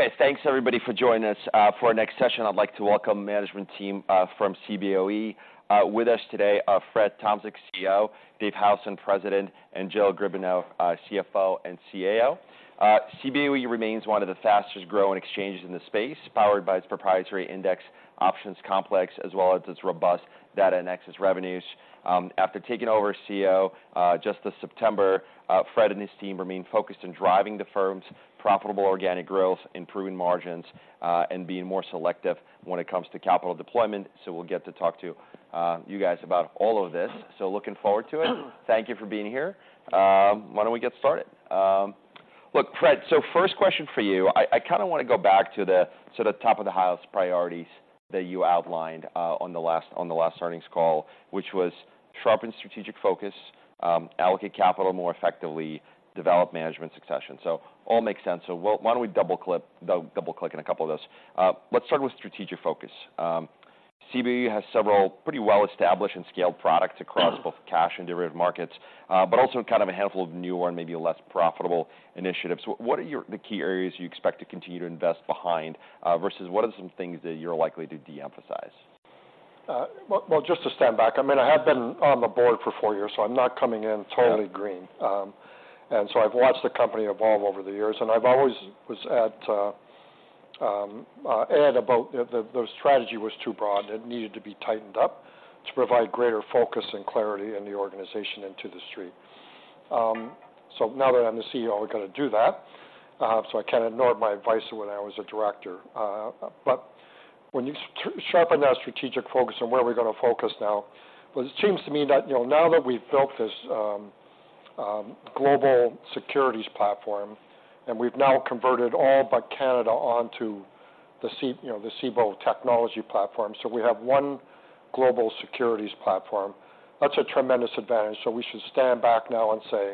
Okay, thanks, everybody, for joining us. For our next session, I'd like to welcome management team from Cboe. With us today are Fred Tomczyk, CEO; Dave Howson, President; and Jill Griebenow, CFO and CAO. Cboe remains one of the fastest-growing exchanges in the space, powered by its proprietary index options complex, as well as its robust data and access revenues. After taking over as CEO just this September, Fred and his team remain focused on driving the firm's profitable organic growth, improving margins, and being more selective when it comes to capital deployment. So we'll get to talk to you guys about all of this. Looking forward to it. Thank you for being here. Why don't we get started? Look, Fred, so first question for you. I kind of want to go back to the sort of top of the highest priorities that you outlined on the last earnings call, which was sharpen strategic focus, allocate capital more effectively, develop management succession. So all makes sense. So why don't we double-click in a couple of those? Let's start with strategic focus. Cboe has several pretty well-established and scaled products across both cash and derivative markets, but also kind of a handful of newer and maybe less profitable initiatives. What are your the key areas you expect to continue to invest behind versus what are some things that you're likely to de-emphasize? Well, just to stand back, I mean, I have been on the board for four years, so I'm not coming in totally green. Yeah. I've watched the company evolve over the years, and I've always said that the strategy was too broad. It needed to be tightened up to provide greater focus and clarity in the organization and to the street. So now that I'm the CEO, we're going to do that. I can't ignore my advice when I was a director. But when you sharpen that strategic focus on where we're going to focus now, well, it seems to me that, you know, now that we've built this global securities platform, and we've now converted all but Canada onto the Cboe, you know, the Cboe technology platform, so we have one global securities platform, that's a tremendous advantage. So we should stand back now and say,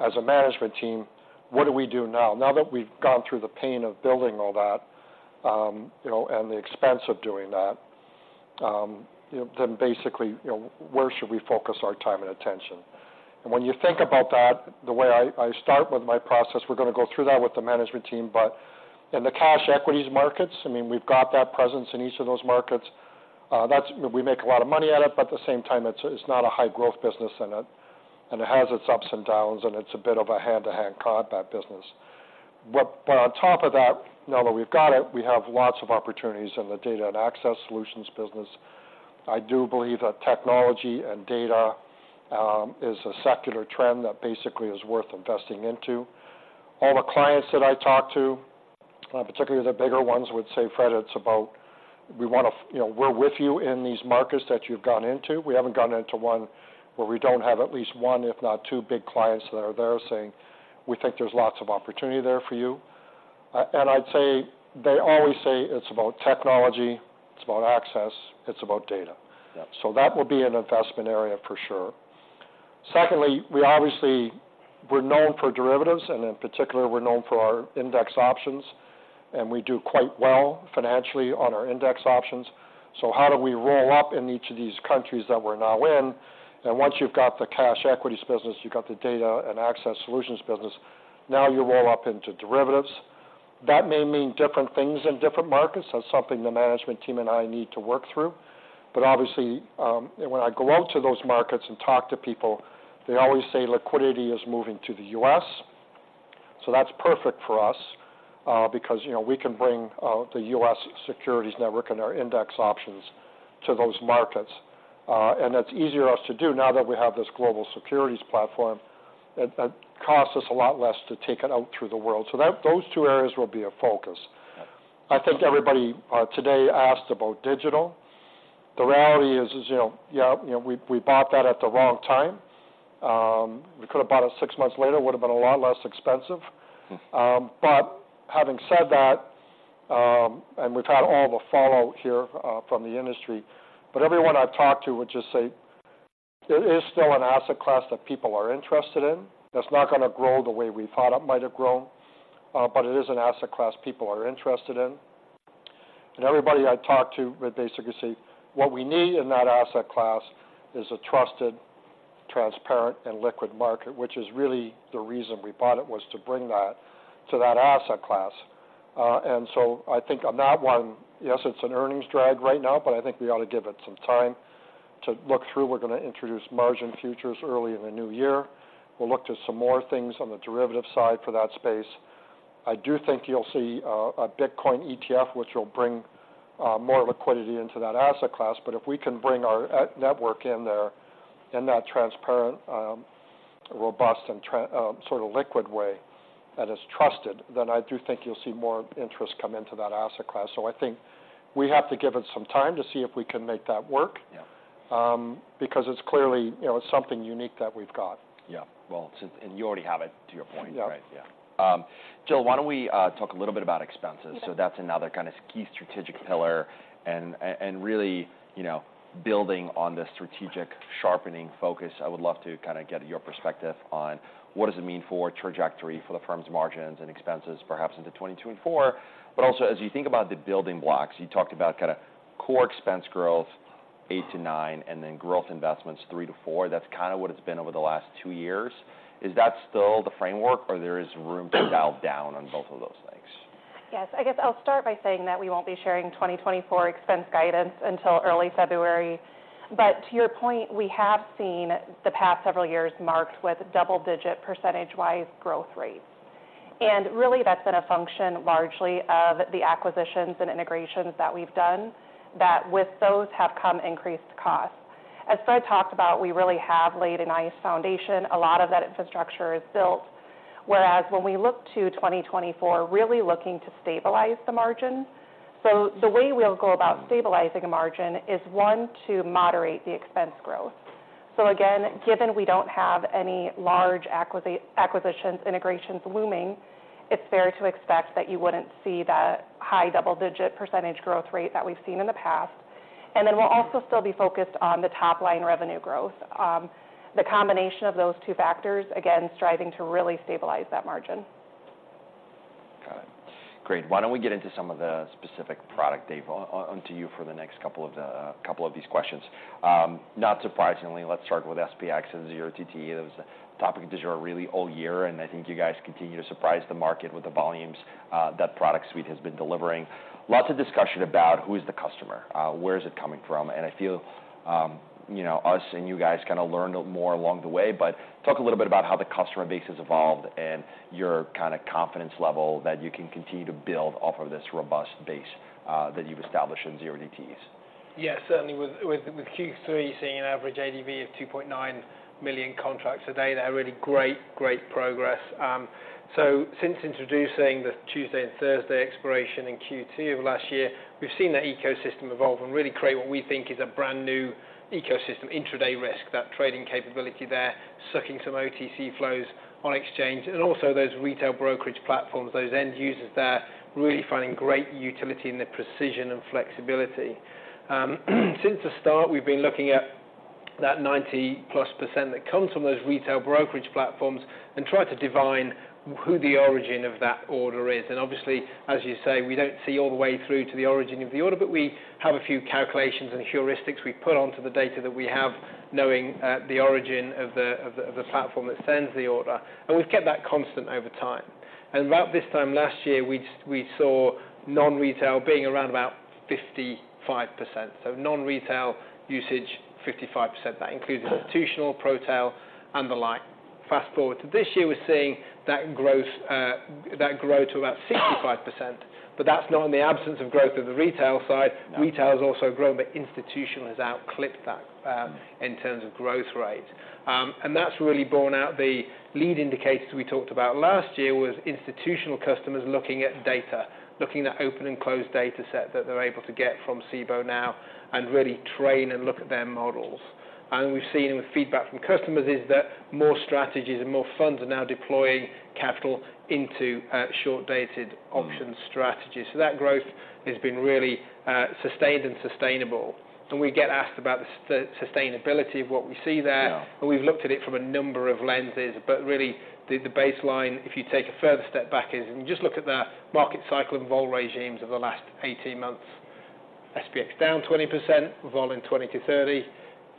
as a management team: What do we do now? Now that we've gone through the pain of building all that, you know, and the expense of doing that, you know, then basically, you know, where should we focus our time and attention? And when you think about that, the way I start with my process, we're going to go through that with the management team, but in the cash equities markets, I mean, we've got that presence in each of those markets. That's. We make a lot of money at it, but at the same time, it's not a high-growth business, and it has its ups and downs, and it's a bit of a hand-to-hand combat business. But on top of that, now that we've got it, we have lots of opportunities in the Data and Access Solutions business. I do believe that technology and data is a secular trend that basically is worth investing into. All the clients that I talk to, particularly the bigger ones, would say, "Fred, it's about... We want to you know, we're with you in these markets that you've gone into." We haven't gone into one where we don't have at least one, if not two, big clients that are there saying, "We think there's lots of opportunity there for you." And I'd say, they always say, "It's about technology, it's about access, it's about data. Yeah. So that will be an investment area for sure. Secondly, we obviously. We're known for derivatives, and in particular, we're known for our index options, and we do quite well financially on our index options. So how do we roll up in each of these countries that we're now in? Once you've got the cash equities business, you've got the data and access solutions business, now you roll up into derivatives. That may mean different things in different markets. That's something the management team and I need to work through. But obviously, when I go out to those markets and talk to people, they always say liquidity is moving to the U.S. So that's perfect for us, because, you know, we can bring the U.S. securities network and our index options to those markets. That's easier for us to do now that we have this global securities platform. It costs us a lot less to take it out through the world. So those two areas will be a focus. Yeah. I think everybody today asked about Digital. The reality is, you know, yeah, you know, we bought that at the wrong time. We could have bought it six months later, would have been a lot less expensive. But having said that, and we've had all the fallout here from the industry, but everyone I've talked to would just say it is still an asset class that people are interested in. That's not going to grow the way we thought it might have grown, but it is an asset class people are interested in. And everybody I talk to would basically say, "What we need in that asset class is a trusted, transparent, and liquid market," which is really the reason we bought it, was to bring that to that asset class. And so I think on that one, yes, it's an earnings drag right now, but I think we ought to give it some time to look through. We're going to introduce margin futures early in the new year. We'll look to some more things on the derivative side for that space. I do think you'll see a Bitcoin ETF, which will bring more liquidity into that asset class, but if we can bring our ATS network in there, in that transparent, robust and sort of liquid way that is trusted, then I do think you'll see more interest come into that asset class. So I think we have to give it some time to see if we can make that work. Yeah. Because it's clearly, you know, something unique that we've got. Yeah. Well, since... And you already have it, to your point. Yeah. Right. Yeah. Jill, why don't we talk a little bit about expenses? Yeah. So that's another kind of key strategic pillar, and really, you know, building on the strategic sharpening focus, I would love to kind of get your perspective on what does it mean for trajectory for the firm's margins and expenses, perhaps into 2024. But also, as you think about the building blocks, you talked about kind of core expense growth eight to nine, and then growth investments three to four. That's kind of what it's been over the last two years. Is that still the framework, or there is room to dial down on both of those things? Yes. I guess I'll start by saying that we won't be sharing 2024 expense guidance until early February. But to your point, we have seen the past several years marked with double-digit percentage-wise growth rates. And really, that's been a function largely of the acquisitions and integrations that we've done, that with those have come increased costs. As Fred talked about, we really have laid a nice foundation. A lot of that infrastructure is built, whereas when we look to 2024, really looking to stabilize the margin. So the way we'll go about stabilizing a margin is, one, to moderate the expense growth. So again, given we don't have any large acquisitions, integrations looming, it's fair to expect that you wouldn't see the high double-digit percentage growth rate that we've seen in the past. And then we'll also still be focused on the top-line revenue growth. The combination of those two factors, again, striving to really stabilize that margin. Got it. Great. Why don't we get into some of the specific product, Dave, on to you for the next couple of these questions. Not surprisingly, let's start with SPX and 0DTE. That was the topic du jour, really, all year, and I think you guys continue to surprise the market with the volumes that product suite has been delivering. Lots of discussion about who is the customer, where is it coming from? And I feel, you know, us and you guys kind of learned more along the way, but talk a little bit about how the customer base has evolved and your kind of confidence level that you can continue to build off of this robust base that you've established in 0DTEs. Yeah, certainly with Q3 seeing an Average ADV of 2.9 million contracts a day, that really great progress. So since introducing the Tuesday and Thursday expiration in Q2 of last year, we've seen that ecosystem evolve and really create what we think is a brand-new ecosystem, intraday risk, that trading capability there, sucking some OTC flows on exchange, and also those retail brokerage platforms, those end users there, really finding great utility in the precision and flexibility. Since the start, we've been looking at that 90%+ that comes from those retail brokerage platforms and try to divine who the origin of that order is. Obviously, as you say, we don't see all the way through to the origin of the order, but we have a few calculations and heuristics we put onto the data that we have, knowing the origin of the platform that sends the order, and we've kept that constant over time. And about this time last year, we saw non-retail being around 55%. So non-retail usage, 55%. That includes institutional, retail, and the like. Fast-forward to this year, we're seeing that growth, that grow to about 65%, but that's not in the absence of growth of the retail side. No. Retail has also grown, but institutional has out clipped that, in terms of growth rate. And that's really borne out the lead indicators we talked about last year, was institutional customers looking at data, looking at open and closed data set that they're able to get from Cboe now and really train and look at their models. And we've seen with feedback from customers, is that more strategies and more funds are now deploying capital into, short-dated option strategies. So that growth has been really, sustained and sustainable. And we get asked about the sustainability of what we see there. Yeah. We've looked at it from a number of lenses, but really, the, the baseline, if you take a further step back, is, and you just look at the market cycle and vol regimes of the last 18 months, SPX down 20%, vol in 20-30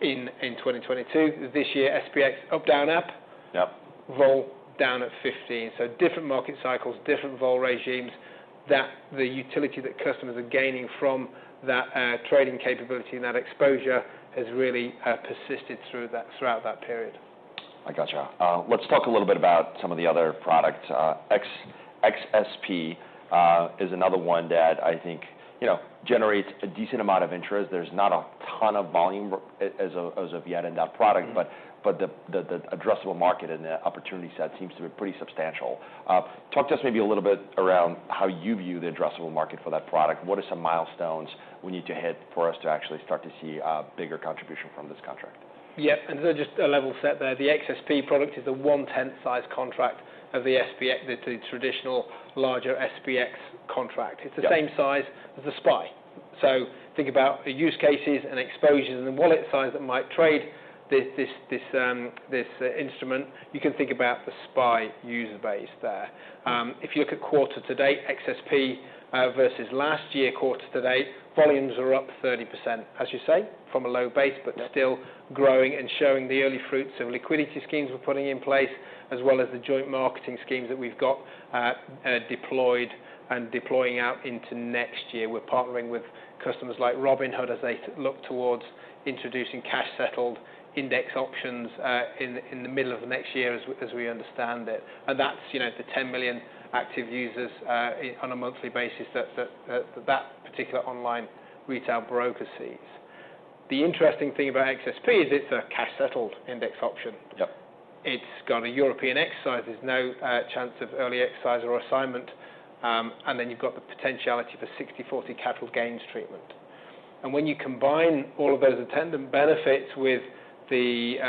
in, in 2022. This year, SPX up, down, up- Yep... vol down at 15. So different market cycles, different vol regimes, that the utility that customers are gaining from that trading capability and that exposure has really persisted through that, throughout that period. I got you. Let's talk a little bit about some of the other products. XSP is another one that I think, you know, generates a decent amount of interest. There's not a ton of volume as of yet in that product- Mm-hmm. The addressable market and the opportunity set seems to be pretty substantial. Talk to us maybe a little bit around how you view the addressable market for that product. What are some milestones we need to hit for us to actually start to see a bigger contribution from this contract? Yep, and so just a level set there. The XSP product is a 1/10th-size contract of the SPX, the traditional larger SPX contract. Yeah. It's the same size as the SPY. So think about the use cases and exposures and the wallet size that might trade this instrument. You can think about the SPY user base there. If you look at quarter to date, XSP, versus last year, quarter to date, volumes are up 30%, as you say, from a low base- Yeah... but still growing and showing the early fruits of liquidity schemes we're putting in place, as well as the joint marketing schemes that we've got deployed and deploying out into next year. We're partnering with customers like Robinhood as they look towards introducing cash-settled index options in the middle of next year, as we understand it. And that's, you know, the 10 million active users on a monthly basis that that particular online retail broker sees. The interesting thing about XSP is it's a cash-settled index option. Yep. It's got a European exercise. There's no chance of early exercise or assignment. And then you've got the potentiality for 60/40 capital gains treatment. And when you combine all of those attendant benefits with the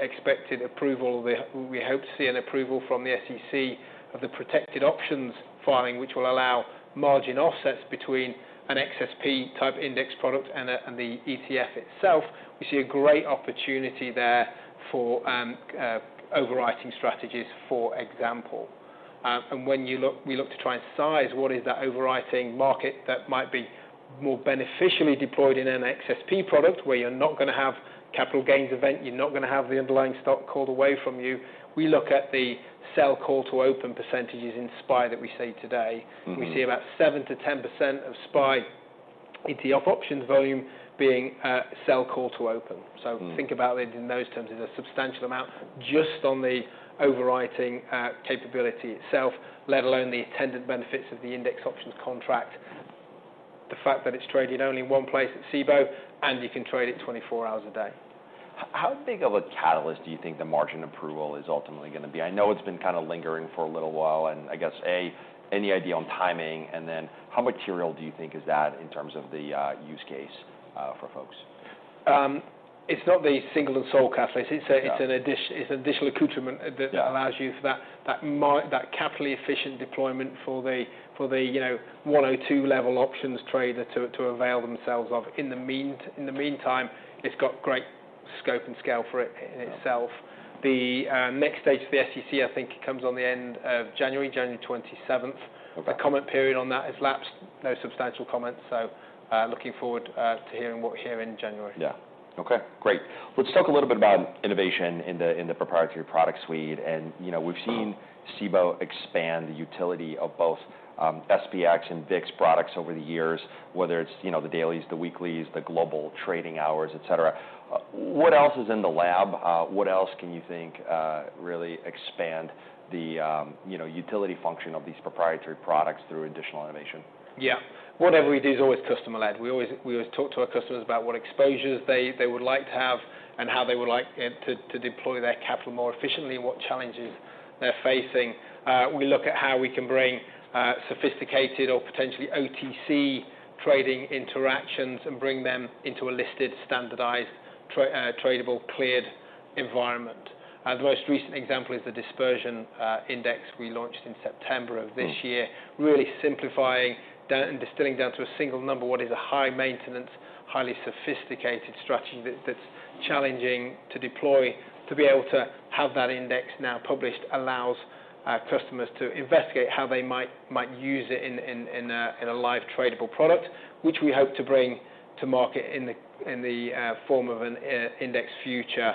expected approval, we hope to see an approval from the SEC of the protected options filing, which will allow margin offsets between an XSP-type index product and the ETF itself. We see a great opportunity there for overwriting strategies, for example. And when we look to try and size what is that overwriting market that might be more beneficially deployed in an XSP product, where you're not gonna have capital gains event, you're not gonna have the underlying stock called away from you. We look at the sell call to open percentages in SPY that we see today. Mm-hmm. We see about 7%-10% of SPY into the off options volume being sell call to open. Mm. So think about it in those terms, it's a substantial amount just on the overwriting, capability itself, let alone the attendant benefits of the index options contract. The fact that it's traded only in one place, at Cboe, and you can trade it 24 hours a day. How big of a catalyst do you think the margin approval is ultimately gonna be? I know it's been kind of lingering for a little while, and I guess, A, any idea on timing? And then, how material do you think is that in terms of the use case for folks? It's not the single and sole catalyst. Yeah. It's an additional accoutrement. Yeah... that allows you for that, that capitally efficient deployment for the, you know, 102 level options trader to avail themselves of. In the meantime, it's got great scope and scale for it in itself. Yeah. The next stage of the SEC, I think, comes on the end of January, January 27th. Okay. The comment period on that has lapsed. No substantial comments, so looking forward to hearing in January. Yeah. Okay, great. Let's talk a little bit about innovation in the, in the proprietary product suite. And, you know- Mm... we've seen Cboe expand the utility of both SPX and VIX products over the years, whether it's, you know, the dailies, the weeklies, the global trading hours, et cetera. What else is in the lab? What else can you think really expand the, you know, utility function of these proprietary products through additional innovation? Yeah. Whatever we do is always customer-led. We always, we always talk to our customers about what exposures they would like to have, and how they would like to deploy their capital more efficiently, and what challenges they're facing. We look at how we can bring sophisticated or potentially OTC trading interactions, and bring them into a listed, standardized tradable, cleared environment. And the most recent example is the Dispersion Index we launched in September of this year- Mm... really simplifying down and distilling down to a single number, what is a high-maintenance, highly sophisticated strategy that's challenging to deploy. To be able to have that index now published allows customers to investigate how they might use it in a live tradable product, which we hope to bring to market in the form of an index future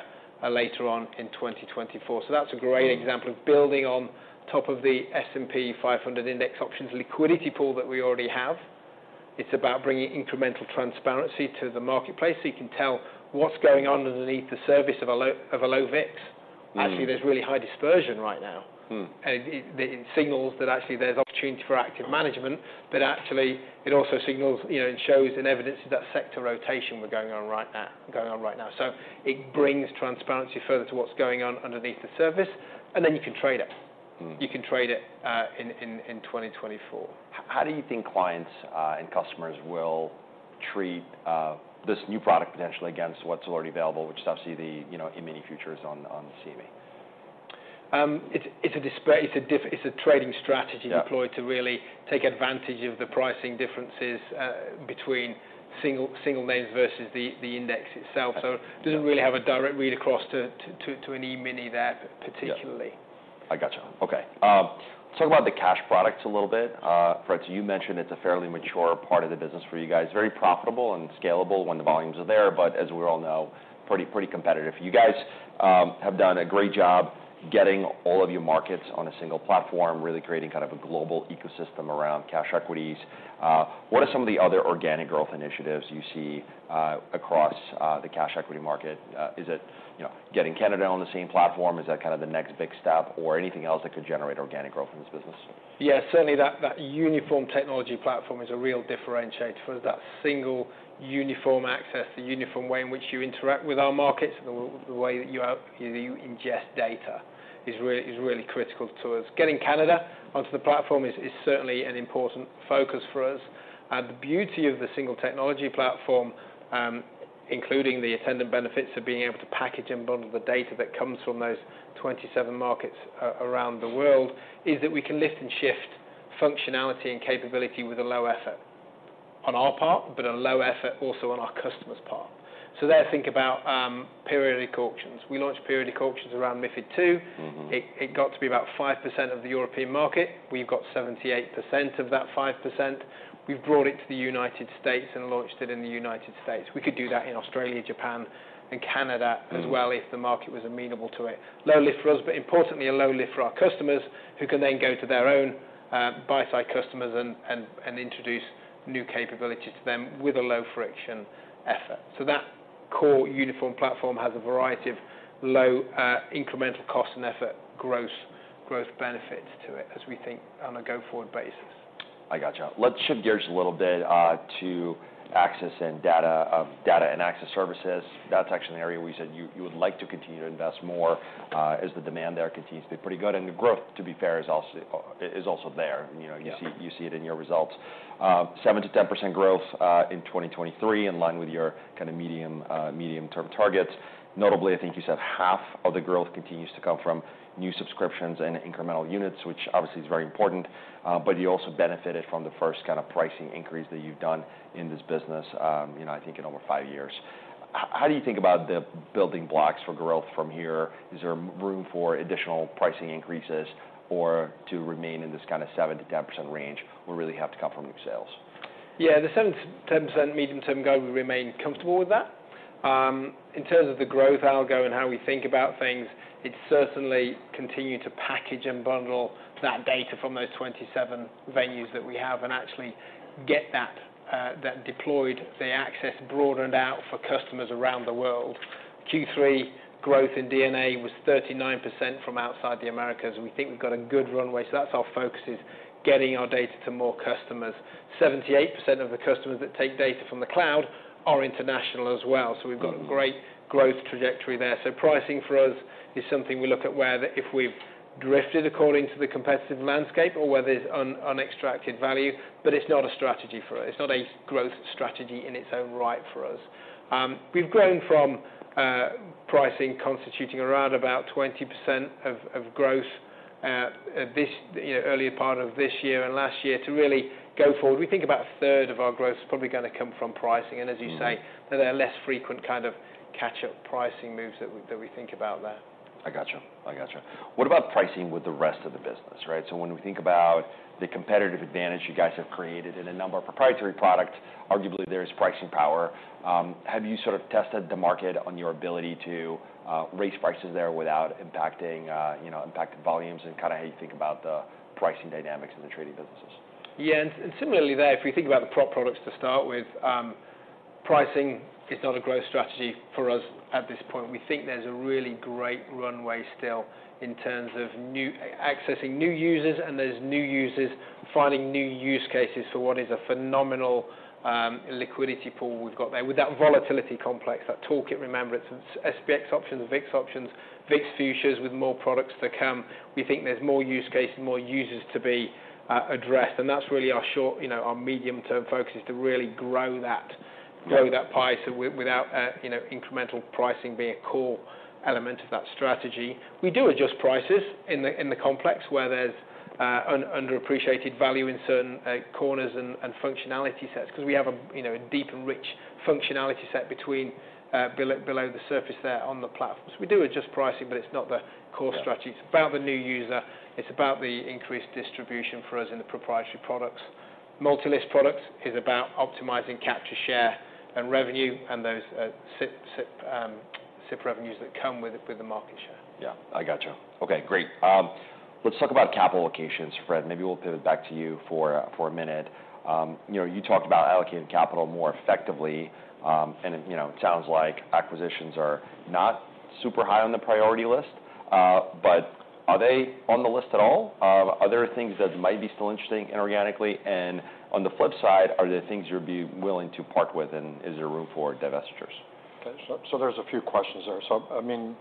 later on in 2024. So that's a great- Mm... example of building on top of the S&P 500 index options liquidity pool that we already have. It's about bringing incremental transparency to the marketplace, so you can tell what's going on underneath the surface of a low, of a low VIX. Mm. Actually, there's really high dispersion right now. Mm. It signals that actually there's opportunity for active management, but actually- Yeah... it also signals, you know, and shows and evidences that sector rotation were going on right now, going on right now. Mm. It brings transparency further to what's going on underneath the surface, and then you can trade it. Mm. You can trade it in 2024. How do you think clients and customers will treat this new product potentially against what's already available, which is obviously the, you know, E-mini futures on CME? It's a trading strategy. Yeah... deployed to really take advantage of the pricing differences between single names versus the index itself. Okay. So doesn't really have a direct read across to an E-mini there particularly. Yeah. I gotcha. Okay, let's talk about the cash products a little bit. Fred, you mentioned it's a fairly mature part of the business for you guys. Very profitable and scalable when the volumes are there, but as we all know, pretty, pretty competitive. You guys have done a great job getting all of your markets on a single platform, really creating kind of a global ecosystem around cash equities. What are some of the other organic growth initiatives you see across the cash equity market? Is it, you know, getting Canada on the same platform? Is that kind of the next big step or anything else that could generate organic growth in this business? Yeah, certainly that uniform technology platform is a real differentiator for us. That single uniform access, the uniform way in which you interact with our markets, the way that you ingest data is really critical to us. Getting Canada onto the platform is certainly an important focus for us. And the beauty of the single technology platform, including the attendant benefits of being able to package and bundle the data that comes from those 27 markets around the world, is that we can lift and shift functionality and capability with a low effort on our part, but a low effort also on our customers' part. So there, think about Periodic Auctions. We launched Periodic Auctions around MiFID II. Mm-hmm. It got to be about 5% of the European market. We've got 78% of that 5%. We've brought it to the United States and launched it in the United States. We could do that in Australia, Japan, and Canada- Mm... as well, if the market was amenable to it. Low lift for us, but importantly, a low lift for our customers, who can then go to their own, buy-side customers and introduce new capability to them with a low-friction effort. So that core uniform platform has a variety of low, incremental cost and effort, growth benefits to it, as we think on a go-forward basis. I gotcha. Let's shift gears a little bit to access and data, data and access services. That's actually an area where you said you would like to continue to invest more, as the demand there continues to be pretty good. And the growth, to be fair, is also there. Yeah. You know, you see, you see it in your results. Seven to 10% growth in 2023, in line with your kind of medium-term targets. Notably, I think you said half of the growth continues to come from new subscriptions and incremental units, which obviously is very important. But you also benefited from the first kind of pricing increase that you've done in this business, you know, I think in over five years.... How, how do you think about the building blocks for growth from here? Is there room for additional pricing increases or to remain in this kind of 7%-10% range, or really have to come from new sales? Yeah, the 7%-10% medium-term goal, we remain comfortable with that. In terms of the growth algo and how we think about things, it certainly continue to package and bundle that data from those 27 venues that we have, and actually get that, that deployed, the access broadened out for customers around the world. Q3 growth in DNA was 39% from outside the Americas, and we think we've got a good runway. So that's our focus, is getting our data to more customers. 78% of the customers that take data from the cloud are international as well, so we've got- Mm-hmm Great growth trajectory there. So pricing for us is something we look at, whether if we've drifted according to the competitive landscape or whether it's unextracted value, but it's not a strategy for us. It's not a growth strategy in its own right for us. We've grown from pricing constituting around about 20% of growth this you know earlier part of this year and last year to really go forward. We think about a third of our growth is probably gonna come from pricing. Mm-hmm. As you say, there are less frequent kind of catch-up pricing moves that we think about there. I gotcha. I gotcha. What about pricing with the rest of the business, right? So when we think about the competitive advantage you guys have created in a number of proprietary products, arguably, there is pricing power. Have you sort of tested the market on your ability to raise prices there without impacting, you know, impacted volumes, and kind of how you think about the pricing dynamics in the trading businesses? Yeah, and similarly there, if we think about the prop products to start with, pricing is not a growth strategy for us at this point. We think there's a really great runway still in terms of new accessing new users, and there's new users finding new use cases for what is a phenomenal liquidity pool we've got there. With that volatility complex, that toolkit, remember, it's SPX options, VIX options, VIX futures, with more products to come, we think there's more use cases, more users to be addressed, and that's really our short, you know, our medium-term focus, is to really grow that- Yeah... grow that pie, so with, without, you know, incremental pricing being a core element of that strategy. We do adjust prices in the, in the complex, where there's underappreciated value in certain corners and functionality sets, 'cause we have a, you know, a deep and rich functionality set between below the surface there on the platforms. We do adjust pricing, but it's not the core strategy. Yeah. It's about the new user, it's about the increased distribution for us in the proprietary products. Multi-listed products is about optimizing capture, share, and revenue, and those SIP revenues that come with the market share. Yeah, I gotcha. Okay, great. Let's talk about capital allocations. Fred, maybe we'll pivot back to you for, for a minute. You know, you talked about allocating capital more effectively, and it, you know, it sounds like acquisitions are not super high on the priority list, but are they on the list at all? Are there things that might be still interesting inorganically? And on the flip side, are there things you'd be willing to part with, and is there room for divestitures? Okay, so there's a few questions there. So, I mean,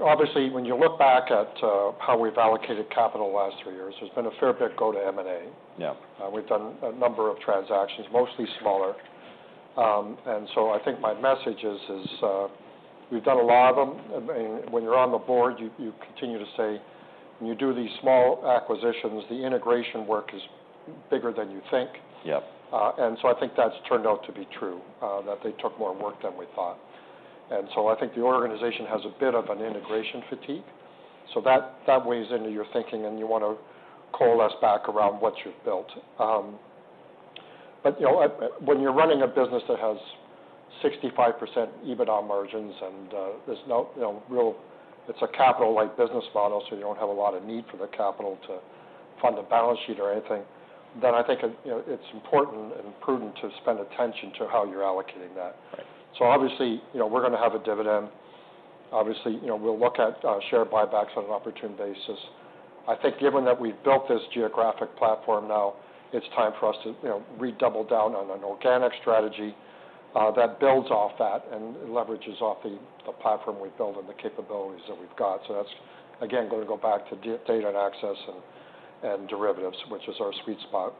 obviously, when you look back at how we've allocated capital the last three years, there's been a fair bit go to M&A. Yeah. We've done a number of transactions, mostly smaller. And so I think my message is, we've done a lot of them, and when you're on the board, you continue to say, "When you do these small acquisitions, the integration work is bigger than you think. Yep. And so I think that's turned out to be true, that they took more work than we thought. And so I think the organization has a bit of an integration fatigue, so that, that weighs into your thinking, and you want to coalesce back around what you've built. But, you know, when you're running a business that has 65% EBITDA margins and, there's no, you know, real... It's a capital-like business model, so you don't have a lot of need for the capital to fund a balance sheet or anything, then I think, you know, it's important and prudent to spend attention to how you're allocating that. Right. So obviously, you know, we're gonna have a dividend. Obviously, you know, we'll look at share buybacks on an opportune basis. I think given that we've built this geographic platform, now it's time for us to, you know, redouble down on an organic strategy that builds off that and leverages off the platform we've built and the capabilities that we've got. So that's, again, gonna go back to data and access and derivatives, which is our sweet spot.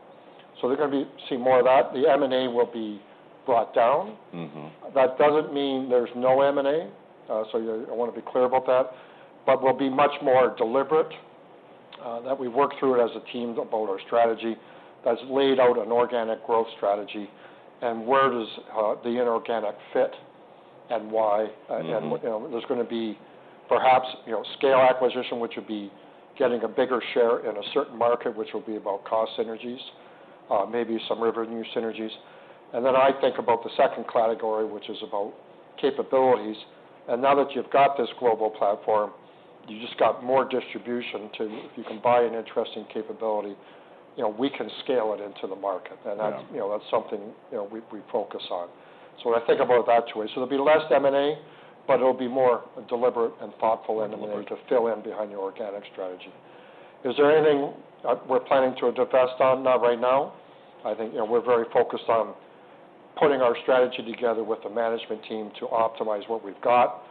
So we're gonna be seeing more of that. The M&A will be brought down. Mm-hmm. That doesn't mean there's no M&A, so I want to be clear about that, but we'll be much more deliberate, that we've worked through it as a team about our strategy, that's laid out an organic growth strategy, and where does the inorganic fit and why? Mm-hmm. And, you know, there's gonna be perhaps, you know, scale acquisition, which would be getting a bigger share in a certain market, which will be about cost synergies, maybe some revenue synergies. And then I think about the second category, which is about capabilities. And now that you've got this global platform, you just got more distribution to... If you can buy an interesting capability, you know, we can scale it into the market. Yeah. And that's, you know, that's something, you know, we focus on. So when I think about it that way, so there'll be less M&A, but it'll be more deliberate and thoughtful- Deliberate... and to fill in behind the organic strategy. Is there anything we're planning to divest on? Not right now. I think, you know, we're very focused on putting our strategy together with the management team to optimize what we've got.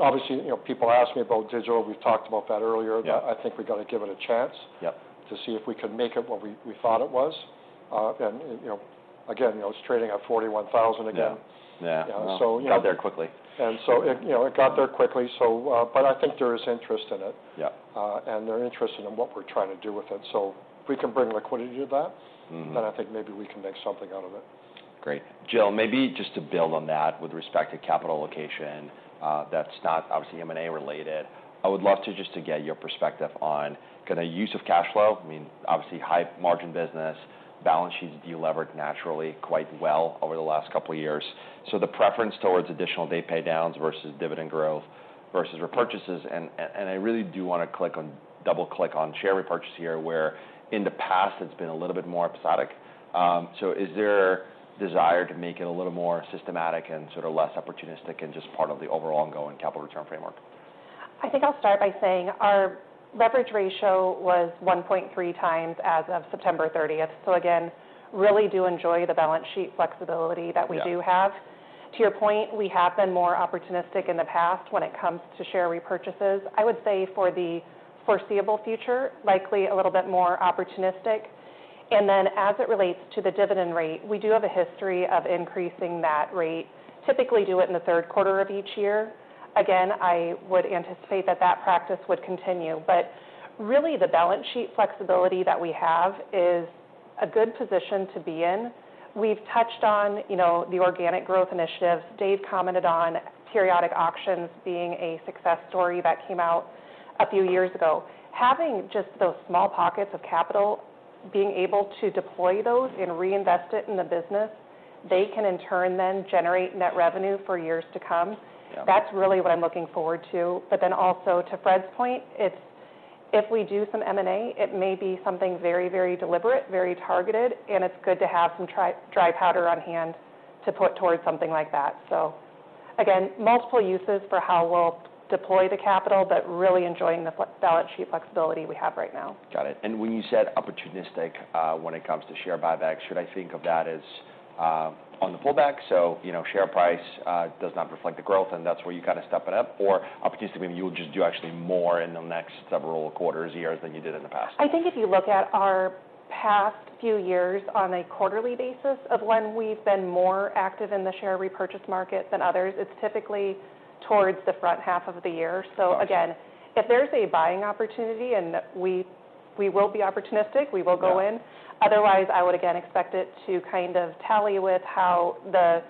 Obviously, you know, people ask me about digital. We've talked about that earlier. Yeah. I think we've got to give it a chance- Yep... to see if we can make it what we thought it was. And you know, again, you know, it's trading at $41,000 again.... Yeah, so got there quickly. And so it, you know, it got there quickly, so, but I think there is interest in it. Yeah. They're interested in what we're trying to do with it. So if we can bring liquidity to that- Mm-hmm... then I think maybe we can make something out of it. Great! Jill, maybe just to build on that with respect to capital allocation. That's not obviously M&A related. I would love to get your perspective on, kind of, use of cash flow. I mean, obviously, high-margin business, balance sheets delivered naturally quite well over the last couple of years. So the preference towards additional debt pay downs versus dividend growth versus repurchases, and I really do want to double-click on share repurchase here, where in the past, it's been a little bit more episodic. So is there a desire to make it a little more systematic and sort of less opportunistic and just part of the overall ongoing capital return framework? I think I'll start by saying our leverage ratio was 1.3x as of September 30th. So again, really do enjoy the balance sheet flexibility that we do have. Yeah. To your point, we have been more opportunistic in the past when it comes to share repurchases. I would say for the foreseeable future, likely a little bit more opportunistic. And then, as it relates to the dividend rate, we do have a history of increasing that rate. Typically, do it in the third quarter of each year. Again, I would anticipate that that practice would continue, but really, the balance sheet flexibility that we have is a good position to be in. We've touched on, you know, the organic growth initiatives. Dave commented on Periodic Auctions being a success story that came out a few years ago. Having just those small pockets of capital, being able to deploy those and reinvest it in the business, they can in turn then generate net revenue for years to come. Yeah. That's really what I'm looking forward to. But then also to Fred's point, it's if we do some M&A, it may be something very, very deliberate, very targeted, and it's good to have some dry powder on hand to put towards something like that. So again, multiple uses for how we'll deploy the capital, but really enjoying the balance sheet flexibility we have right now. Got it. And when you said opportunistic, when it comes to share buybacks, should I think of that as, on the pullback? So, you know, share price does not reflect the growth, and that's where you kind of step it up or opportunistic, maybe you'll just do actually more in the next several quarters, years than you did in the past? I think if you look at our past few years on a quarterly basis of when we've been more active in the share repurchase market than others, it's typically towards the front half of the year. Got you. So again, if there's a buying opportunity and we will be opportunistic, we will go in. Yeah. Otherwise, I would again expect it to kind of tally with how the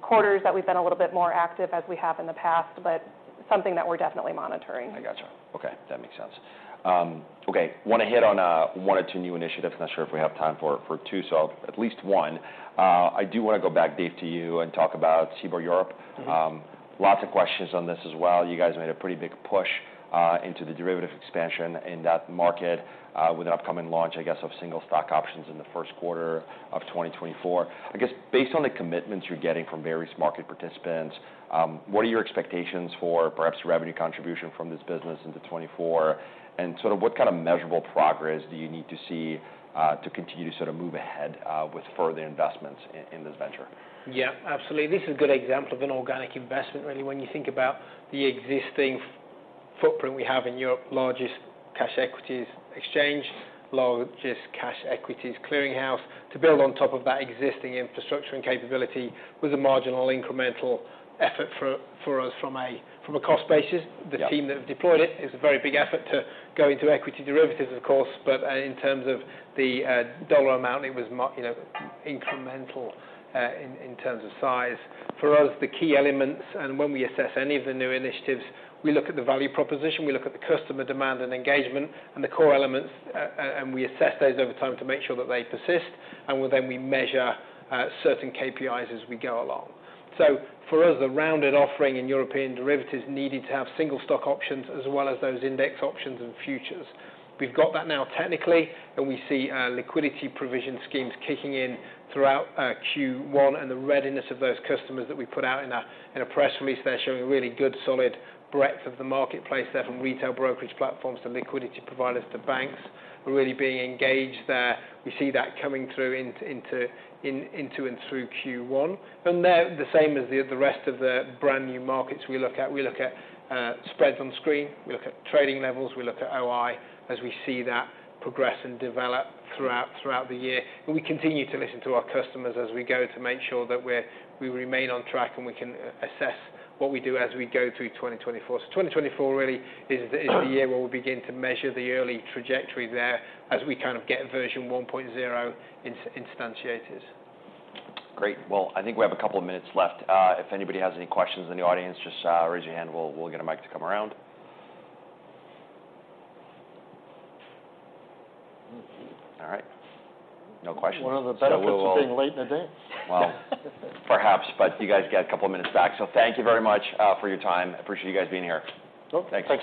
quarters that we've been a little bit more active as we have in the past, but something that we're definitely monitoring. I got you. Okay, that makes sense. Okay, want to hit on one or two new initiatives. Not sure if we have time for two, so at least one. I do want to go back, Dave, to you, and talk about Cboe Europe. Mm-hmm. Lots of questions on this as well. You guys made a pretty big push into the derivatives expansion in that market with an upcoming launch, I guess, of single stock options in the first quarter of 2024. I guess, based on the commitments you're getting from various market participants, what are your expectations for perhaps revenue contribution from this business into 2024? And sort of what kind of measurable progress do you need to see to continue to sort of move ahead with further investments in this venture? Yeah, absolutely. This is a good example of an organic investment, really, when you think about the existing footprint we have in Europe, largest cash equities exchange, largest cash equities clearing house. To build on top of that existing infrastructure and capability with a marginal incremental effort for us from a cost basis- Yeah... The team that have deployed it, it's a very big effort to go into equity derivatives, of course, but in terms of the dollar amount, it was you know, incremental in terms of size. For us, the key elements, and when we assess any of the new initiatives, we look at the value proposition, we look at the customer demand and engagement and the core elements, and we assess those over time to make sure that they persist, and well, then we measure certain KPIs as we go along. So for us, a rounded offering in European derivatives needed to have single stock options as well as those index options and futures. We've got that now technically, and we see liquidity provision schemes kicking in throughout Q1, and the readiness of those customers that we put out in a press release there, showing really good, solid breadth of the marketplace there, from retail brokerage platforms to liquidity providers to banks, are really being engaged there. We see that coming through into and through Q1. And they're the same as the rest of the brand-new markets we look at. We look at spreads on screen, we look at trading levels, we look at OI as we see that progress and develop throughout the year. But we continue to listen to our customers as we go to make sure that we remain on track, and we can assess what we do as we go through 2024. 2024 really is the year where we'll begin to measure the early trajectory there as we kind of get version 1.0 instantiated. Great. Well, I think we have a couple of minutes left. If anybody has any questions in the audience, just raise your hand. We'll get a mic to come around. All right, no questions. One of the benefits of being late in the day. Well, perhaps, but you guys get a couple of minutes back. So thank you very much for your time. I appreciate you guys being here. Cool. Thanks.